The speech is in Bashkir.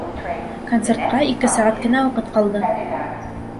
Концертҡа ике сәғәт кенә ваҡыт ҡалды!